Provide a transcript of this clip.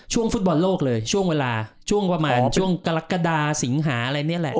ฟุตบอลโลกเลยช่วงเวลาช่วงประมาณช่วงกรกฎาสิงหาอะไรนี่แหละ